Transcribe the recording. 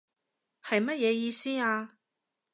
係乜嘢意思啊？